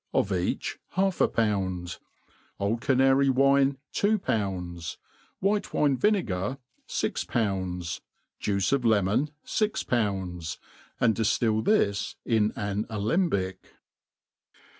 of each ha^f a pound, oM Canary wine two pounds, white #ine vine gar fix pounds^ juice of kmon fix pounds ^ and diftil thii in an aleaibic.